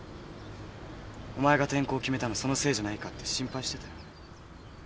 お前が転校を決めたのそのせいじゃないかって心配してたよ。